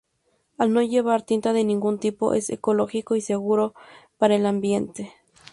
Al no llevar tinta de ningún tipo es ecológico y seguro para el ambiente.